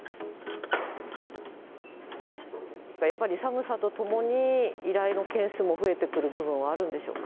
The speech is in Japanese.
寒さとともに、依頼の件数も増えてくる部分はあるんでしょうか？